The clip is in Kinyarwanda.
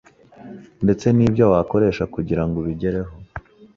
ndetse n’ibyo wakoresha kugira ngo ubigereho